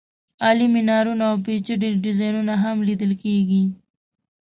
عالي مېنارونه او پېچلي ډیزاینونه هم لیدل کېږي.